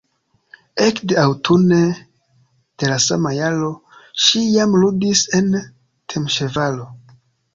Ekde aŭtune de la sama jaro ŝi jam ludis en Temeŝvaro.